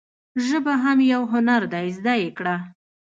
ژبه هم یو هنر دي زده یی کړه.